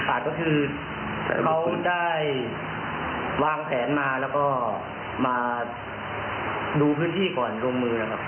ขาดก็คือเขาได้วางแผนมาแล้วก็มาดูพื้นที่ก่อนลงมือครับ